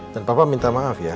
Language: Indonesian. dan papa minta maaf ya